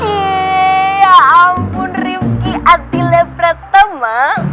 cieee ya ampun riffky arti lepre teman